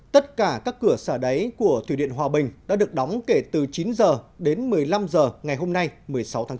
tất cả các cửa xả đáy của thủy điện hòa bình đã được đóng kể từ chín h đến một mươi năm h ngày hôm nay một mươi sáu tháng chín